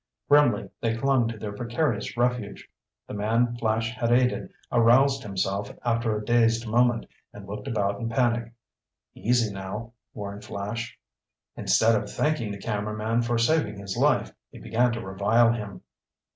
Grimly they clung to their precarious refuge. The man Flash had aided aroused himself after a dazed moment, and looked about in panic. "Easy now," warned Flash. Instead of thanking the cameraman for saving his life, he began to revile him.